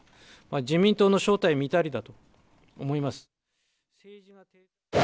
自民党の正体見たりだと思います。